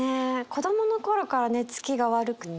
子どもの頃から寝つきが悪くて。